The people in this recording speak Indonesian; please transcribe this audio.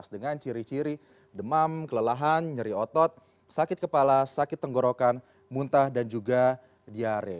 dengan ciri ciri demam kelelahan nyeri otot sakit kepala sakit tenggorokan muntah dan juga diare